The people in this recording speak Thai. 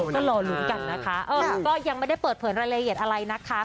ก็รอลุ้นกันนะคะก็ยังไม่ได้เปิดเผยรายละเอียดอะไรนะคะ